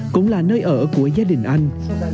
cũng là nơi ở của gia đình anh